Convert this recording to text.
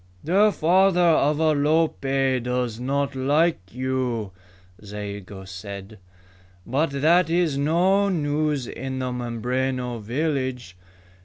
"The father of Alope does not like you," Zayigo said. "But that is no news in the Mimbreno village.